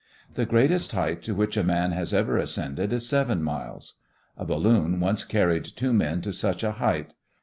The greatest height to which a man has ever ascended is seven miles. A balloon once carried two men to such a height.